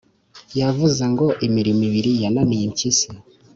yavuze ngo imirimo ibiri yananiye impyisi